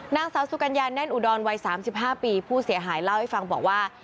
นางสาวสุกัญญาแน่นอุดรวัย๓๕ปีผู้เสียหายเล่าให้ฟังบอกว่า